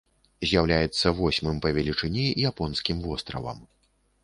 З'яўляецца восьмым па велічыні японскім востравам.